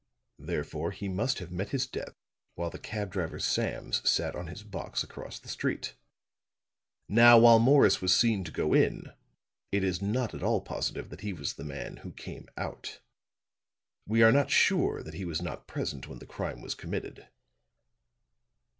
Therefore he must have met his death while the cab driver Sams sat on his box across the street. Now, while Morris was seen to go in, it is not at all positive that he was the man who came out. We are not sure that he was not present when the crime was committed."